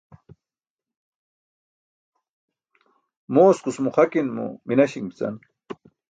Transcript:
Mooskus muxakinmo minaśiṅ bican.